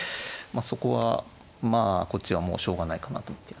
あそこはまあこっちはもうしょうがないかなと思ってやってました。